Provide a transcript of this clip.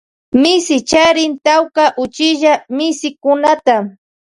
Misi charin tawka uchilla misikunata.